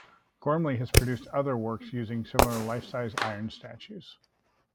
Gormley has produced other works using similar life-sized iron statues.